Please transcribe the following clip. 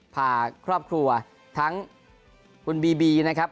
พาครอบครัวทั้งคุณบีบีนะครับ